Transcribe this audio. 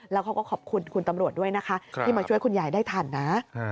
แล้วเขาก็ขอบคุณคุณตำรวจด้วยนะคะที่มาช่วยคุณยายได้ทันนะ